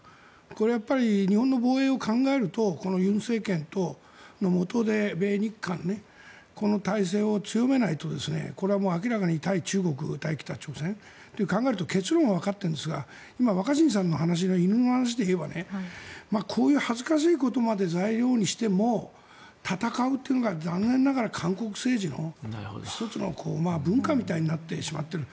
これは日本の防衛を考えるとこの尹政権ともとで米日韓でこの体制を強めないとこれは明らかに対中国、対北朝鮮と考えると結論はわかっているんですが若新さんのお話で犬の話でいえばこういう恥ずかしいことまで材料にしても、戦うっていうのが残念ながら韓国政治の１つの文化みたいになってしまっている。